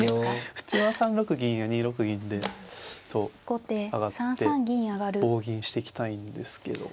普通は３六銀や２六銀と上がって棒銀していきたいんですけども。